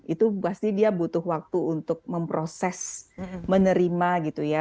itu pasti dia butuh waktu untuk memproses menerima gitu ya